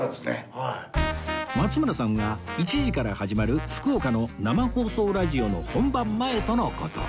松村さんは１時から始まる福岡の生放送ラジオの本番前との事